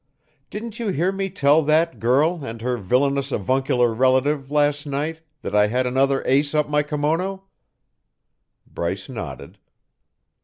Didn't you hear me tell that girl and her villainous avuncular relative last night that I had another ace up my kimono?" Bryce nodded.